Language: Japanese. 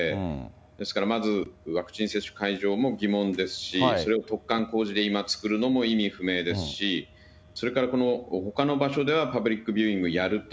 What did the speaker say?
ですから、まずワクチン接種会場も疑問ですし、それを突貫工事で今、作るのも意味不明ですし、それから、ほかの場所ではパブリックビューイングやると。